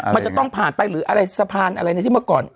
มันจะต้องผ่านไปสะพานหรืออะไรที่เมื่อก่อน